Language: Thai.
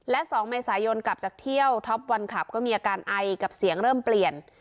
และ๒เมษายนกลับจากเที่ยวท็อปวันขับก็มีอาการไอกับเสียงเริ่มเปลี่ยน